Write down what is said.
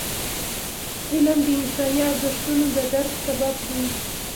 علم د انساني ارزښتونو د درک سبب دی.